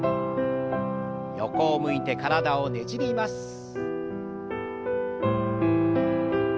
横を向いて体をねじります。